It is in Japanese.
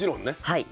はい。